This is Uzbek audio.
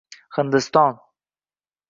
Hindiston.